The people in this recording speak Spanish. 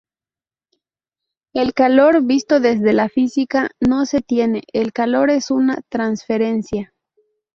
El calor, visto desde la física, "no se tiene", el calor es una "transferencia".